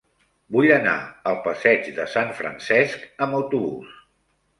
Vull anar al passeig de Sant Francesc amb autobús.